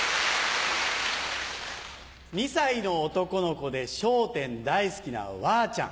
２歳の男の子で『笑点』大好きなわーちゃん。